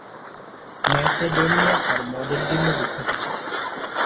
Macedonia তার মদের জন্য বিখ্যাত ছিলো।